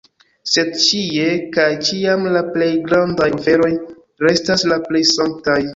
Sed ĉie kaj ĉiam la plej grandaj oferoj restas la plej sanktaj.